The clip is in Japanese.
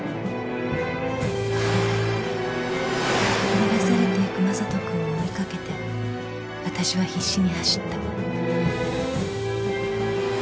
［流されていく将人くんを追いかけてあたしは必死に走った］